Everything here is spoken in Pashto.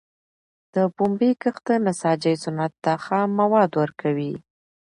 د پنبي کښت د نساجۍ صنعت ته خام مواد ورکوي.